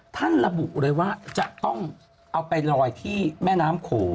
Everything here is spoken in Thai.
ท่านระบุเลยว่าจะต้องเอาไปลอยที่แม่น้ำโข